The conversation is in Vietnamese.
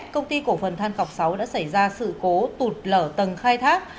công ty cổ phần than cọc sáu đã xảy ra sự cố tụt lở tầng khai thác